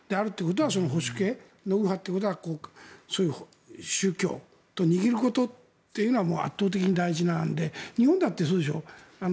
保守系の右派ということはそういう宗教と握ることというのは圧倒的に大事なので日本だってそうでしょ？